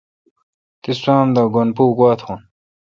تی سوا اوم د گن پو گوا تھون؟